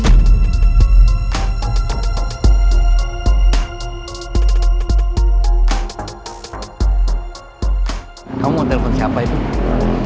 apa aku coba telepon rizky ya buat mastiin keadaan putri